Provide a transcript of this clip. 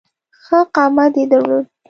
ښه قامت یې درلود.